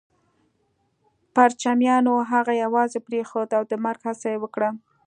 پرچمیانو هغه يوازې پرېښود او د مرګ هڅه يې وکړه